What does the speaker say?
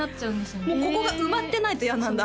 もうここが埋まってないと嫌なんだ？